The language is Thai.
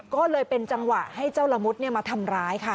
ก็เลยเป็นจังหวะให้เจ้าละมุดมาทำร้ายค่ะ